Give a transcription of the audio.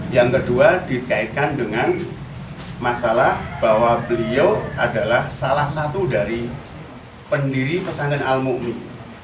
yang kedua dikaitkan dengan masalah bahwa beliau adalah salah satu dari pendiri pesantren al ⁇ mumin ⁇